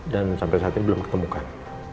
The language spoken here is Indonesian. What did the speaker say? dan sampai saatnya belum ditemukan